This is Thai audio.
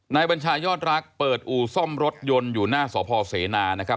นายบัญชายอดรักษ์เปิดอู่ซ่อมรถยนต์อยู่หน้าสศเสนา